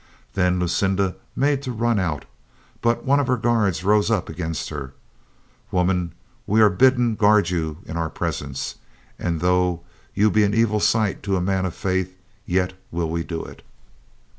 Then Lucinda made to run out, but one of her guards rose up against her. "Woman, we are bidden guard you in our presence, and though you be an evil sight to a man of faith, yet will we do it."